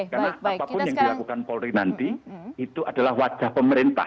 yang harus dilakukan polri nanti itu adalah wajah pemerintah